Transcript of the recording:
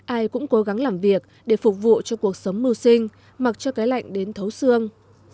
ai cũng cố gắng làm việc để phục vụ cho cuộc sống mưu sinh mặc cho cái lạnh đến thấu xương